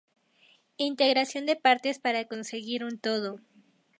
Integración de partes para conseguir un todo.